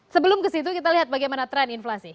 sebelum ke situ kita lihat bagaimana tren inflasi